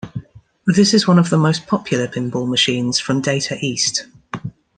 This is one of the most popular pinball machines from Data East.